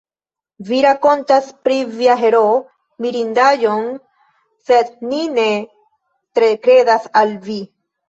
Vi rakontas pri via heroo mirindaĵon, sed ni ne tre kredas al vi.